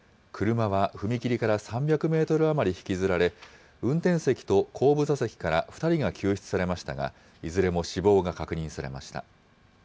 車は踏切から３００メートル余り引きずられ、運転席と後部座席から２人が救出されましたが、いずれも死亡が確認されました。